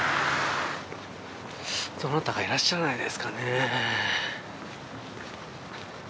どなたかいらっしゃらないですかね。